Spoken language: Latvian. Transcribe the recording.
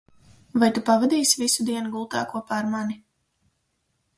Vai tu pavadīsi visu dienu gultā kopā ar mani?